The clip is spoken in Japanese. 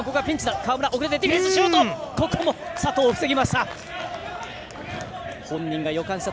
ここも佐藤、防ぎました！